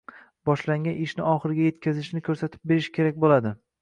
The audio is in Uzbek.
boshlangan ishni oxiriga yetkazishni ko‘rsatib berish kerak bo‘ladi.